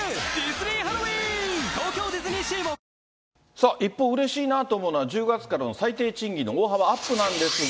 さあ、一方、うれしいなと思うのは、１０月からの最低賃金の大幅アップなんですが。